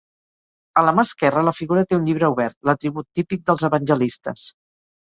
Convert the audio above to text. A la mà esquerra, la figura té un llibre obert, l'atribut típic dels evangelistes.